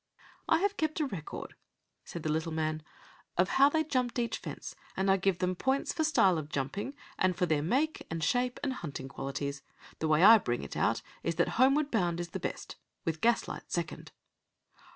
"I have kept a record," said the little man, "of how they jumped each fence, and I give them points for style of jumping, and for their make and shape and hunting qualities. The way I bring it out is that Homeward Bound is the best, with Gaslight second."